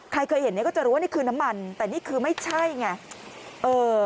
ใครเคยเห็นเนี่ยก็จะรู้ว่านี่คือน้ำมันแต่นี่คือไม่ใช่ไงเออ